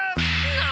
何！？